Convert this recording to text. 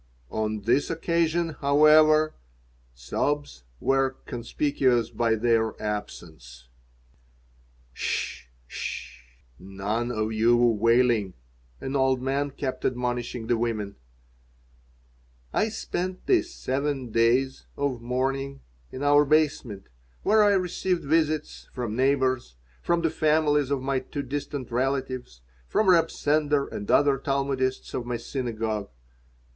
On this occasion, however, sobs were conspicuous by their absence "'S sh! 's sh! None of your wailing!" an old man kept admonishing the women I spent the "Seven Days "(of mourning) in our basement, where I received visits from neighbors, from the families of my two distant relatives, from Reb Sender and other Talmudists of my synagogue.